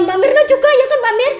pak mirna juga ya kan pak mir